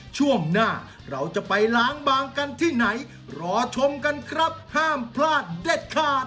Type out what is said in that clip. ช่วงหน้าเราจะไปล้างบางกันที่ไหนรอชมกันครับห้ามพลาดเด็ดขาด